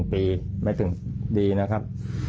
ปีไม่ถึงดีนะครับ